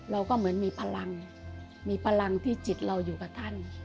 เราก็เหมือนมีพลังมีพลังที่จิตเราอยู่กับท่าน